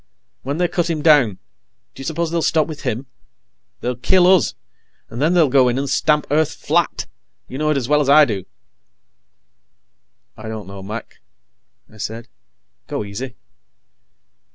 When they cut him down do you suppose they'll stop with him? They'll kill us, and then they'll go in and stamp Earth flat! You know it as well as I do." "I don't know, Mac," I said. "Go easy."